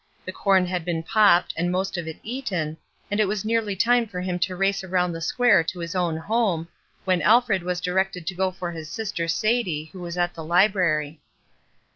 The corn had been popped, and most of it eaten, and it was nearly time for him to race around the square to his own home, when Alfred was directed to go for his sister Sadie, who was at the library.